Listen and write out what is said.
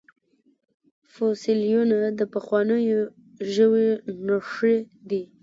فوسیلیونه د پخوانیو ژویو نښې دي